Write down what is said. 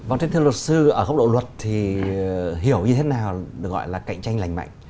vâng thưa luật sư ở góc độ luật thì hiểu như thế nào được gọi là cạnh tranh lành mạnh